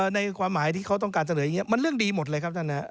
ในความหมายที่เขาต้องการเสนออย่างนี้มันเรื่องดีหมดเลยครับท่าน